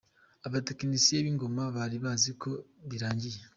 Abatekinisiye b’ingoma bari bazi ko birangiye!